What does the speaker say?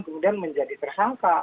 kemudian menjadi tersangka